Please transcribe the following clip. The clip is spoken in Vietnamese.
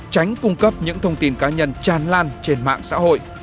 tránh cung cấp những thông tin cá nhân tràn lan trên mạng xã hội